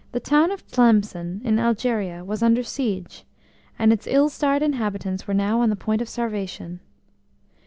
TOWN of Tlemcen, in Algeria, was under siege, and its ill starred inhabitants were now on the point of starvation.